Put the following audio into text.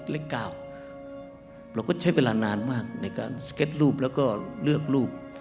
เราก็ใช้เวลานานมากในการสเก็ตรูปแล้วก็เลือกรูป